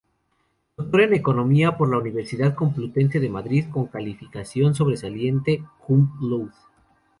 Doctor en Economía por la Universidad Complutense de Madrid, con calificación sobresaliente cum laude.